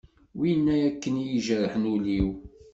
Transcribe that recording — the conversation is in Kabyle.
Wina akken i ijerḥen ul-iw.